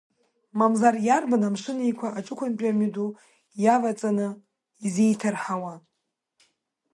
Мамзар, иарбан Амшын Еиқәа аҿықәантәи амҩаду иаваҵаны изеиҭарҳауа!